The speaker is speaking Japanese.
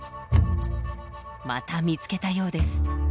また見つけたようです。